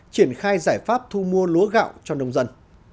triển khai giải pháp thu mua lúa gạo cho nông dân